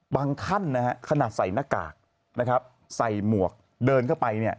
บางขั้นขนาดใส่หน้ากากใส่หมวกเดินเข้าไป